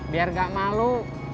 biar gak malu